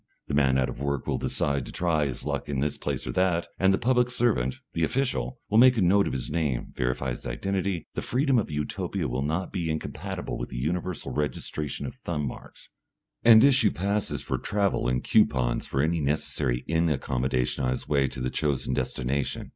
The man out of work will decide to try his luck in this place or that, and the public servant, the official, will make a note of his name, verify his identity the freedom of Utopia will not be incompatible with the universal registration of thumb marks and issue passes for travel and coupons for any necessary inn accommodation on his way to the chosen destination.